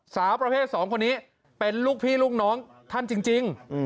สาวประเภท๒คนนี้เป็นลูกพี่ลูกน้องท่านจริง